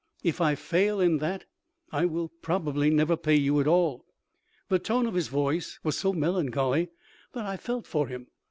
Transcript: If I fail in that I will probably never pay you at all.' The tone of his voice was so melancholy that I felt for him.